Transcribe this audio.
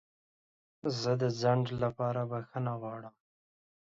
زه د ځنډ لپاره بخښنه غواړم.